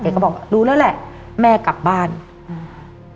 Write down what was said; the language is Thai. ก็บอกรู้แล้วแหละแม่กลับบ้านอืม